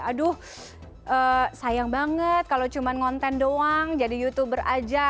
aduh sayang banget kalau cuma konten doang jadi youtuber aja